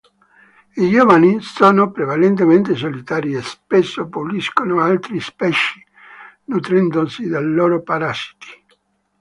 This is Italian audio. I giovani sono prevalentemente solitari e spesso puliscono altri pesci nutrendosi dei loro parassiti.